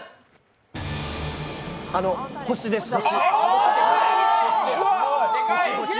星です、星。